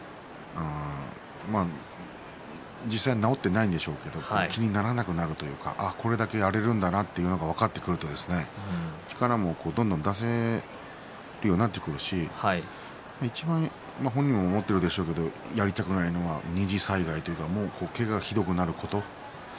実際、治っていないんでしょうけど気にならなくなるというかこれだけやれるんだと分かってくると、力もどんどん出せるようになってくるしいちばん本人も思っているでしょうし、やりたくないのは二次災害というかけががひどくなること